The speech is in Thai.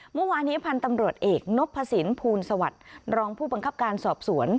เมื่อวานี้พันธ์ตำรวจเอกนพสินภูลสวัสดิ์รองผู้บังคับการสอบสวน